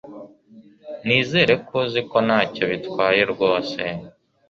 Nizere ko uzi ko ntacyo bitwaye rwose